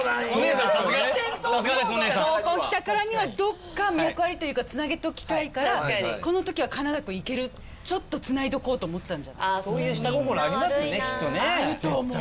さすがさすがですおねえさん合コン来たからにはどっか脈ありというかつなげときたいからこの時は金田君いけるちょっとつないどこうと思ったんじゃないそういう下心ありますよねきっとあると思う